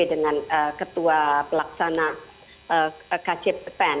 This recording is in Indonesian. dengan ketua pelaksana kcppen